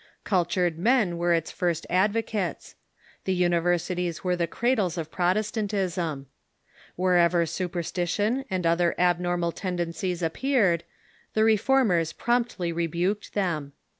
Cultured men were its first advocates. The universities were the Learning (ij.g^Jies of Protestantism. Wherever superstition and Promoted ,' other abnormal tendencies appeared^ the Reformers promptly rebuked them.